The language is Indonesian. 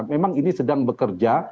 memang ini sedang bekerja